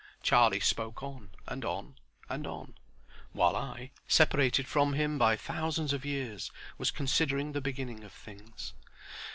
Charlie spoke on, and on, and on; while I, separated from him by thousands of years, was considering the beginnings of things.